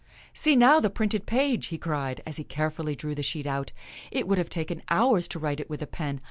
" See now the printed page," he cried, as he care fully drew the sheet out. " It \vould have taken hours to write it with a pen.